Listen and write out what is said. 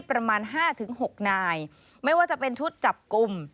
ประมาณ๕๖นายไม่ว่าจะเป็นชุดจับกลุ่ม